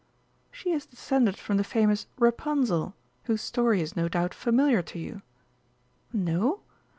"She is descended from the famous Rapunzel, whose story is no doubt familiar to you.... No?